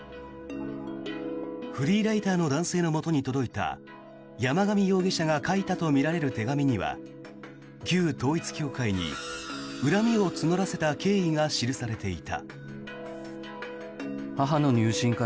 フリーライターの男性のもとに届いた山上容疑者が書いたとみられる手紙には旧統一教会に恨みを募らせた経緯が記されていた。